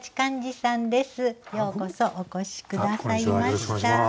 ようこそお越し下さいました。